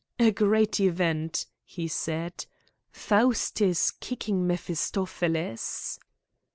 "A great event," he said. "Faust is kicking Mephistopheles."